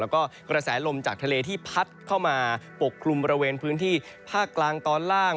แล้วก็กระแสลมจากทะเลที่พัดเข้ามาปกคลุมบริเวณพื้นที่ภาคกลางตอนล่าง